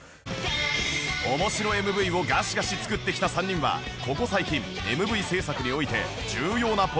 面白 ＭＶ をガシガシ作ってきた３人はここ最近 ＭＶ 制作において重要なポイントに気づいたそう